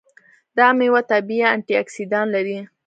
دا میوه طبیعي انټياکسیدان لري.